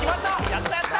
やったやった！